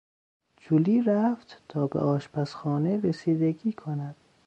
جولی رفت تا به آشپزخانه رسیدگی کند.